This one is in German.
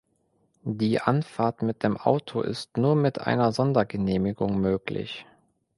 Die Anfahrt mit dem Auto ist nur mit einer Sondergenehmigung möglich.